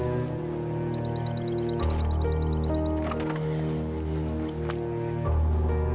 aku dodeng sama mereka